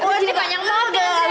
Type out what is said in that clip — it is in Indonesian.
oh ini panjang banget